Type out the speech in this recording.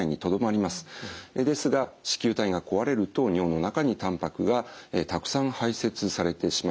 ですが糸球体が壊れると尿の中にたんぱくがたくさん排せつされてしまいます。